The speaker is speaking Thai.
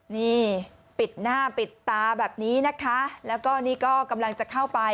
นี่ปิดหน้าปิดตาแบบนี้นะคะแล้วก็นี่ก็กำลังจะเข้าไป